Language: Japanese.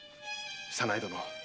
〔早苗殿